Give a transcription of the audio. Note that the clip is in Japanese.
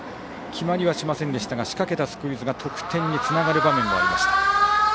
決まりはしませんでしたが仕掛けたスクイズが得点につながる場面もありました。